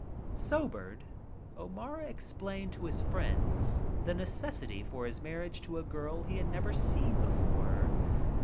Sobered, O'Mara explained to his friends the necessity for his tnarriage to a girl he had never seen before.